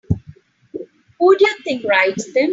Who do you think writes them?